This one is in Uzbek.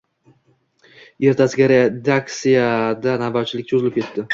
Ertasiga redaksiyada navbatchilik cho‘zilib ketdi.